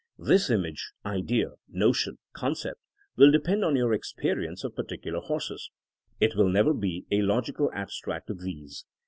This image, idea, notion, concept, will depend on your ex perience of particular horses. It will never be a logical abstract of these.